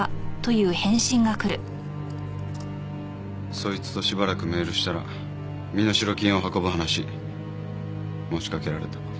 そいつとしばらくメールしたら身代金を運ぶ話持ちかけられた。